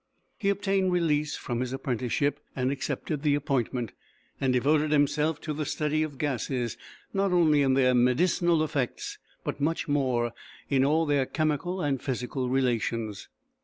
He obtained release from his apprenticeship, accepted the appointment, and devoted himself to the study of gases, not only in their medicinal effects, but much more in all their chemical and physical relations.